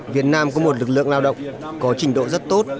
việt nam có một lực lượng lao động